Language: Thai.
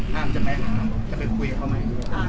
ห้ามจะแม้หาจะเป็นคุยกับเขาใหม่หรือเปล่า